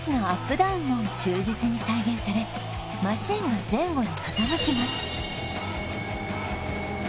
ダウンも忠実に再現されマシンが前後に傾きます